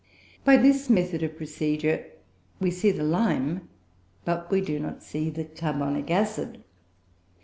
By this method of procedure we see the lime, but we do not see the carbonic acid.